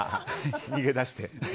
逃げ出して。